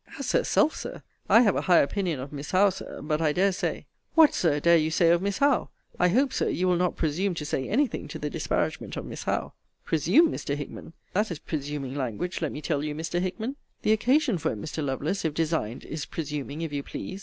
As herself, Sir! I have a high opinion of Miss Howe, Sir but, I dare say What, Sir, dare you say of Miss Howe! I hope, Sir, you will not presume to say any thing to the disparagement of Miss Howe. Presume, Mr. Hickman! that is presuming language, let me tell you, Mr. Hickman! The occasion for it, Mr. Lovelace, if designed, is presuming, if you please.